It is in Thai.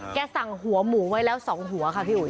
สั่งหัวหมูไว้แล้ว๒หัวค่ะพี่อุ๋